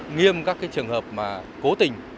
nghiêm các trường hợp mà cố tình